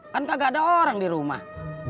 kan gak ada orang di rumah